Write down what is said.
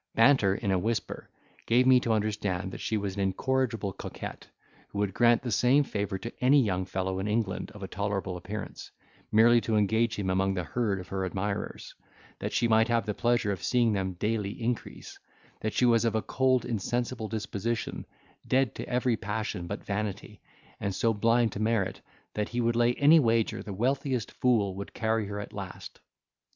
Banter in a whisper, gave me to understand that she was an incorrigible coquette, who would grant the same favour to any young fellow in England of a tolerable appearance, merely to engage him among the herd of her admirers, that she might have the pleasure of seeing them daily increase; that she was of a cold insensible disposition, dead to every passion but vanity, and so blind to merit, that he would lay any wager the wealthiest fool would carry her at last.